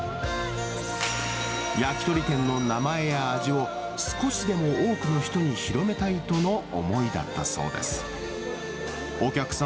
焼き鳥店の名前や味を、少しでも多くの人に広めたいとの思いだったそうです。